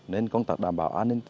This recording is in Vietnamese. nên công tác đảm bảo an ninh